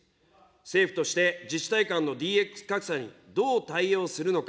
政府として自治体間のＤＸ格差にどう対応するのか。